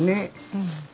うん。